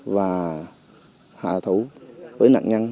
và hạ thủ với nạn nhân